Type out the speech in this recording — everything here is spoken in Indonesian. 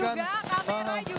selamat tahun baru